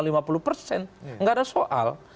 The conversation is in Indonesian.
tidak ada soal